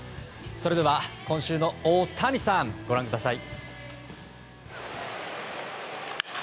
それでは今週の大谷さんご覧ください。